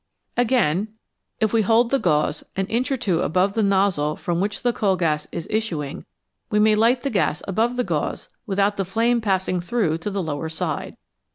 Again, if we hold the gauze an inch 161 L FLAME: WHAT IS IT? or two above a nozzle from which coal gas is issuing, we may light the gas above the gauze without the flame passing through to the lower side (see Fig.